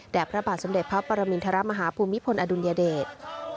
พระบาทสมเด็จพระปรมินทรมาฮภูมิพลอดุลยเดช